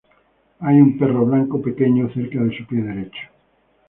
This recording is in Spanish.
Hay un perro blanco pequeño cerca de su pie derecho.